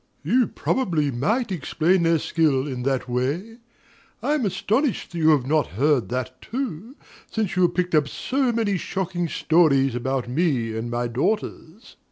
You probably might explain their skill in that way. I am astonished that you have not heard that too, since you have picked up so many shocking stories about me and my daughters. MRS. S.